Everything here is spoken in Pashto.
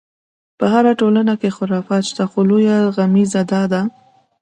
په هره ټولنه کې خرافات شته، خو لویه غمیزه دا ده.